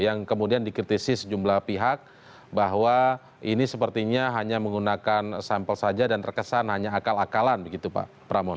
yang kemudian dikritisi sejumlah pihak bahwa ini sepertinya hanya menggunakan sampel saja dan terkesan hanya akal akalan begitu pak pramono